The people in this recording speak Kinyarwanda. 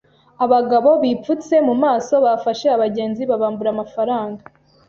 Abagabo bipfutse mu maso bafashe abagenzi babambura amafaranga.